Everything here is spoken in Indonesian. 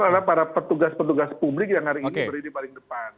karena para petugas petugas publik yang hari ini berdiri di paling depan